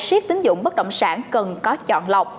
siết tính dụng bất động sản cần có chọn lọc